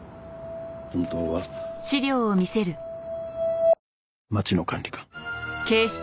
本当は町野管理官。